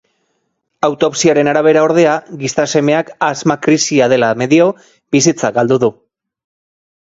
Autopsiaren arabera ordea, gizasemeak asma-krisia dela medio, bizitza galdu du.